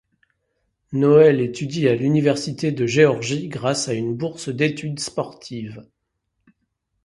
Noel étudie à l'Université de Géorgie grâce à une bourse d'études sportives.